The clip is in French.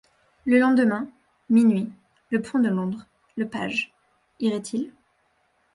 Le lendemain, minuit, le pont de Londres, le page ? irait-il ?